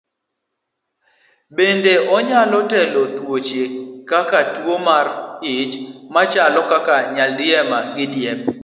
Bende onyalo kelo tuoche kaka tuwo mar ich machalo kaka nyaldiema gi diep.